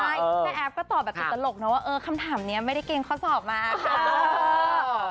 แม่แอฟก็ตอบกับสนความสหกว่าคำถำนี้ไม่ได้เก็งข้อสอบมาค่ะ